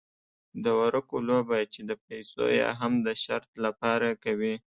د ورقو لوبه چې د پیسو یا هم د شرط لپاره کوي.